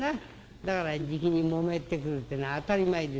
だからじきにもめてくるっていうのは当たり前ですよ。